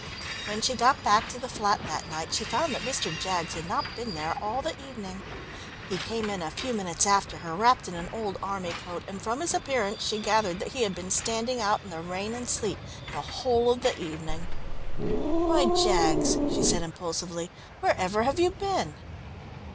When she got back to the flat that night she found that Mr. Jaggs had not been there all the evening. He came in a few minutes after her, wrapped up in an old army coat, and from his appearance she gathered that he had been standing out in the rain and sleet the whole of the evening. "Why, Jaggs," she said impulsively, "wherever have you been?"